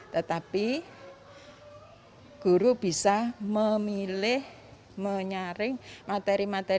tetapi guru bisa memilih menyaring materi materi mana yang esok